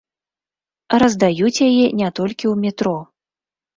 Раздаюць яе не толькі ў метро.